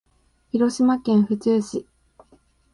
広島県府中市